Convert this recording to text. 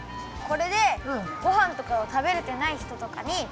これでごはんとかを食べれてないひととかに。